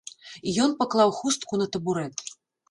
І ён паклаў хустку на табурэт.